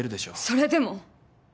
それでも。